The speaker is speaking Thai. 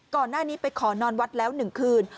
ก่อนหน้านี้ไปขอนอนวัดแล้ว๑คืน